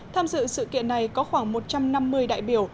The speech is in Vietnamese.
tham dự sự kiện này có khoảng một trăm năm mươi đại biểu